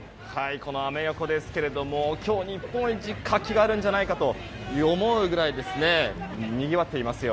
このアメ横ですが今日、日本一、活気があるんじゃないかと思うぐらいにぎわっていますよ。